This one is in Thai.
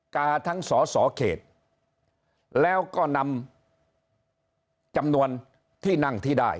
กาทั้งสอสอเขตแล้วก็นำจำนวนที่นั่งที่ได้